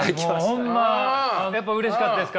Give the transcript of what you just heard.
ホンマやっぱうれしかったですか？